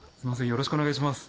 よろしくお願いします。